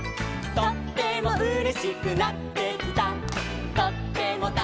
「とってもたのしくなってきた」